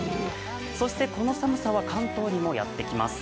そしてこの寒さは関東にもやって来ます。